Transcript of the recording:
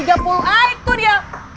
tiga puluh ah itu dia